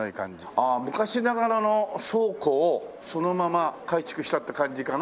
ああ昔ながらの倉庫をそのまま改築したって感じかな。